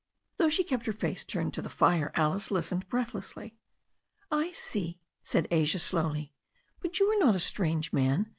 Though she kept her face turned to the fire, Alice listened breathlessly. "I see," said Asia slowly. "But you are not a strange man.